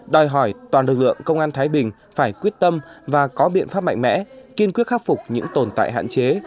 đòi hỏi toàn lực lượng công an thái bình phải quyết tâm và có biện pháp mạnh mẽ kiên quyết khắc phục những tồn tại hạn chế